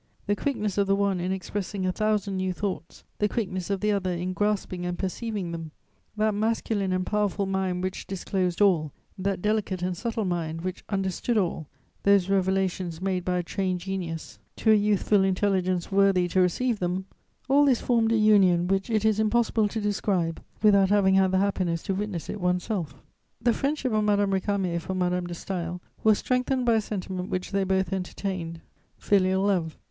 The quickness of the one in expressing a thousand new thoughts, the quickness of the other in grasping and perceiving them; that masculine and powerful mind which disclosed all, that delicate and subtle mind which understood all; those revelations made by a trained genius to a youthful intelligence worthy to receive them: all this formed a union which it is impossible to describe without having had the happiness to witness it one's self. "The friendship of Madame Récamier for Madame de Staël was strengthened by a sentiment which they both entertained: filial love.